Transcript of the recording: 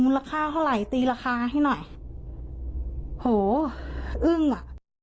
ราคาเท่าไหร่ตีราคาให้หน่อยโหอึ้งอ่ะ